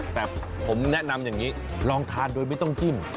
แต่ผมแนะนำอย่างนี้ลองทานโดยไม่ต้องจิ้ม